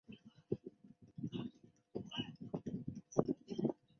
金山站南口前面的公路桥被叫做金山桥。